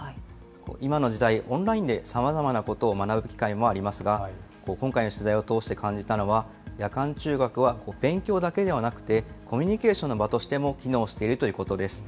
今の時代、オンラインでさまざまなことを学ぶ機会もありますが、今回の取材を通して感じたのは、夜間中学は勉強だけではなくて、コミュニケーションの場としても機能しているということです。